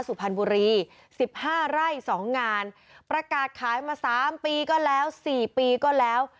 สุพรรณบุรีสิบห้าไร่สองงานประกาศขายมา๓ปีก็แล้ว๔ปีก็แล้ว